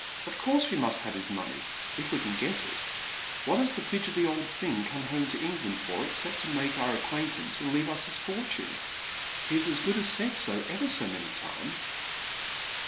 Of course w a must have his money — if we can get it. What has the hdgely old thing come home to England for except to make oui acquaintance and leave us his fortune ? He has as good as said 60 ever so many times."